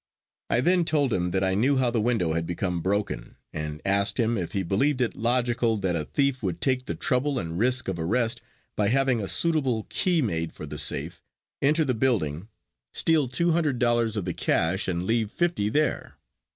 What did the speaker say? I then told him that I knew how the window had become broken, and asked him if he believed it logical that a thief would take the trouble and risk arrest by having a suitable key made for the safe, enter the building, steal two hundred dollars of the cash and leave fifty there.